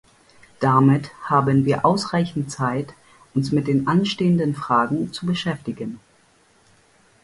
Damit haben wir ausreichend Zeit, uns mit den anstehenden Fragen zu beschäftigen.